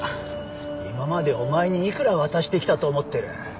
今までお前にいくら渡してきたと思ってる？